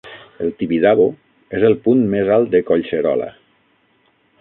El Tibidabo es el punt mes alt de Collserola.